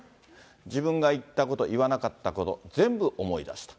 自分が言ったこと、言わなかったこと、全部思い出した。